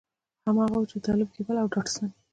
هماغه و چې د طالب کېبل او ډاټسن.